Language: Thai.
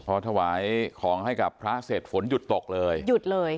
พอถวายของให้กับพระเสร็จฝนหยุดตกเลยหยุดเลย